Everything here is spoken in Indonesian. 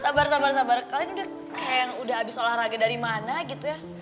sabar sabar sabar kalian udah kayak yang udah habis olahraga dari mana gitu ya